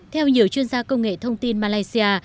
theo nhiều chuyên gia công nghệ thông tin malaysia